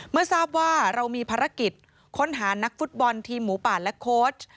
เมื่อทราบว่าเรามีภารกิจค้นหานักฟุตบอลทีมหมูป่าและโค้ช